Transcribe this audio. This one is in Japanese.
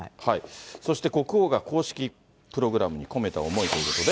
そして国王が公式プログラムに込めた思いということで。